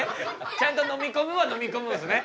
ちゃんと飲み込むは飲み込むんですね。